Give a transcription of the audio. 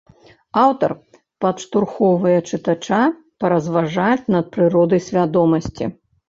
Аўтар падштурхоўвае чытача паразважаць над прыродай свядомасці.